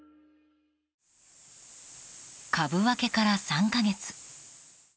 株分けから３か月。